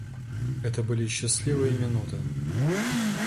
Это были счастливые минуты.